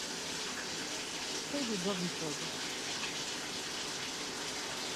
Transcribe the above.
Mteli dobiçodi.